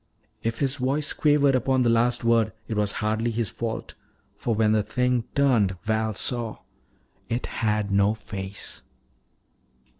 If his voice quavered upon the last word, it was hardly his fault. For when the thing turned, Val saw It had no face!